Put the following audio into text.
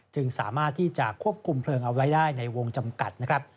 จึงสามารถที่จะควบคุมเพลิงเอาไว้ได้ในวงจำกัดนะครับ